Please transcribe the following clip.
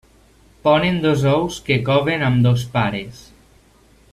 Ponen dos ous que coven ambdós pares.